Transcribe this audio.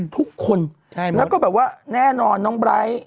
ทุกคนแล้วก็แบบว่าแน่นอนน้องไบร์ท